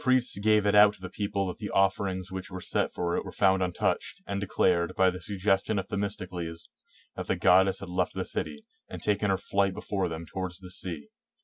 112 THE BATTLE OF SALAMIS gave it out to the people that the ofiferings which were set for it were found untouched, and declared, by the sug gestion of Themistocles, that the goddess had left the city, and taken her flight before them towards the sea.